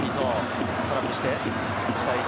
トラップして１対１。